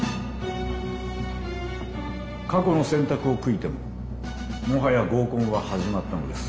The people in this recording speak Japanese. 過去の選択を悔いてももはや合コンは始まったのです。